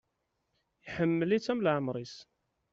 Iḥemmel-itt am leɛmer-is.